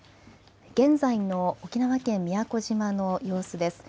現在の沖縄県宮古島の様子です。